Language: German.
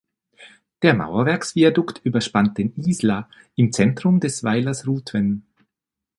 Der Mauerwerksviadukt überspannt den Isla im Zentrum des Weilers Ruthven.